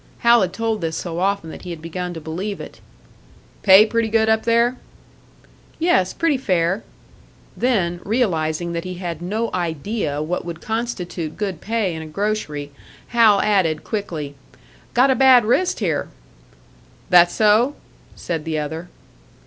Hal had told this so often that he had begun to believe it. "Pay pretty good up there?" "Yes, pretty fair." Then, realising that he had no idea what would constitute good pay in a grocery, Hal added, quickly, "Got a bad wrist here!" "That so?" said the other.